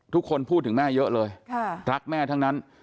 ทุกคนพูดถึงแม่เยอะเลยรักแม่ทั้งนั้น